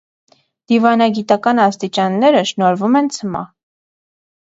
Դիվանագիտական աստիճանները շնորհվում են ցմահ։